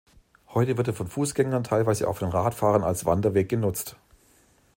Heute wird er von Fußgängern, teilweise auch von Radfahrern als Wanderweg genutzt.